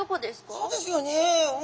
そうですよね。